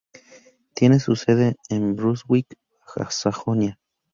Tiene su sede en Brunswick, Baja Sajonia.